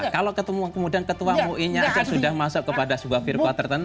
kalau ketua mui nya sudah masuk kepada sebuah firqah tertentu